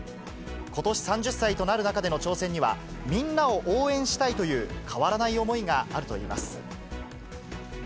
ことし３０歳となる中での挑戦には、みんなを応援したいという変わらない思いがあるといいます。